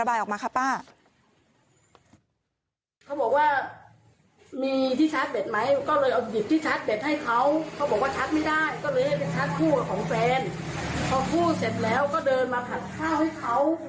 พอพูดเสร็จแล้วก็เดินมาผัดข้าวให้เขา